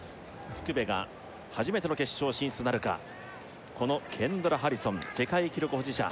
福部が初めての決勝進出となるかこのケンドラ・ハリソン世界記録保持者